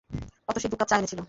অতসী দু কাপ চা এনেছিল।